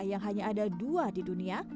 yang hanya ada dua di dunia